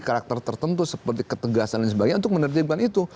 karakter tertentu seperti ketegasan dan sebagainya untuk menertibkan itu